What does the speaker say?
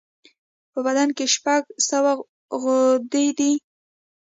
په بدن شپږ سوه غدودي دي.